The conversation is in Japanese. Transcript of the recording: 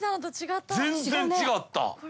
全然違った。